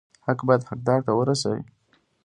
حق باید حقدار ته ورسي